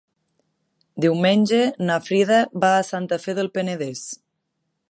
Diumenge na Frida va a Santa Fe del Penedès.